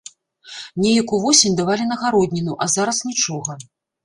Неяк увосень давалі на гародніну, а зараз нічога.